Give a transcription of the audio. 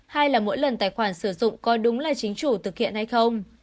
hai là mỗi lần tài khoản sử dụng có đúng là chính chủ thực hiện hay không